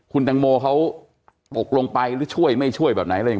คุณตังโมเขาปกลงไปหรือช่วยไม่ช่วยแบบไหน